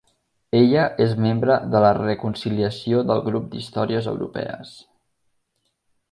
Ella és membre del la Reconciliació del Grup d'Històries Europees.